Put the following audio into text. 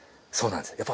そうなんです。